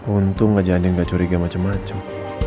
untung aja andi gak curiga macem macem